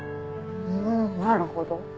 んなるほど。